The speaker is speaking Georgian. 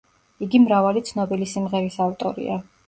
იგი მრავალი ცნობილი სიმღერის ავტორია.